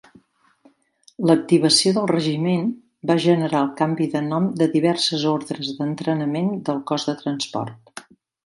L'activació del regiment va generar el canvi de nom de diverses ordres d'entrenament del Cos de Transport.